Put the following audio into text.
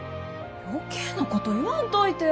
余計なこと言わんといて！